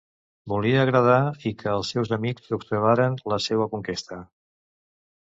Volia agradar i que els seus amics observaren la seua conquesta...